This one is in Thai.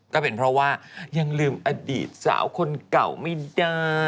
ก็เป็นเพราะว่ายังลืมอดีตสาวคนเก่าไม่ได้